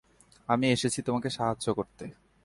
আমি এসেছি তোমাকে সাহায্য করতে।